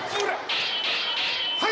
はい！